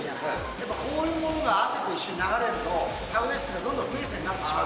やっぱこういうものが汗と一緒に流れると、サウナ室がどんどん不衛生になってしまう。